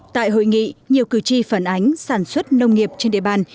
tại hội nghị nhiều cử tri phản ánh sản xuất nông nghiệp trên địa bàn